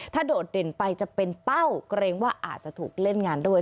โดดเด่นไปจะเป็นเป้าเกรงว่าอาจจะถูกเล่นงานด้วย